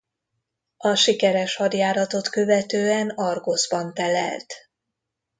A sikeres hadjáratot követően Argoszban telelt.